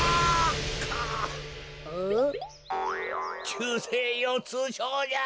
きゅうせいようつうしょうじゃ。